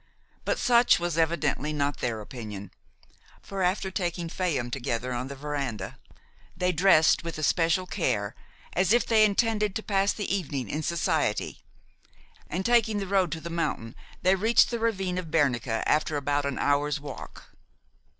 But such was evidently not their opinion; for, after taking faham together on the veranda, they dressed with especial care as if they intended to pass the evening in society, and, taking the road to the mountain, they reached the ravine of Bernica after about an hour's walk.